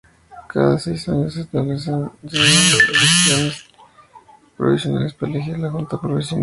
Cada seis años se celebran elecciones provinciales para elegir una junta provincial.